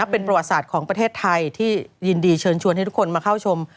เป็นประวัติศาสตร์ของประเทศไทยที่ยินดีเชิญชวนให้ทุกคนมาเข้าชม